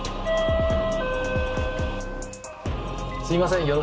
すいません